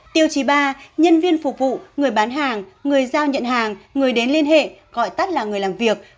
tiêu chí ba nhân viên phục vụ người bán hàng người giao nhận hàng người đến liên hệ gọi tắt là người làm việc